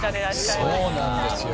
そうなんですよ。